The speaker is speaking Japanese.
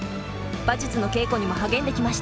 馬術の稽古にも励んできました。